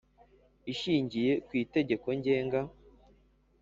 Ishingiye ku itegeko ngenga